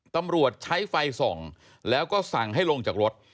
ตำรวจใช้ไฟส่องแล้วก็สั่งให้ลงจากรถ